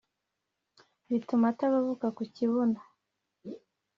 bituma atababuka ku kibuno